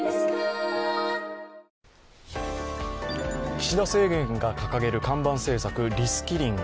岸田政権が掲げる看板政策リスキリング。